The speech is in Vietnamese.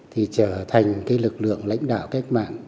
thì trở thành cái lực lượng lãnh đạo cách mạng